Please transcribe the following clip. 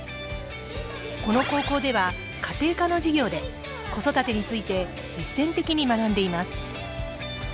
この高校では、家庭科の授業で子育てについて実践的に学んでいます。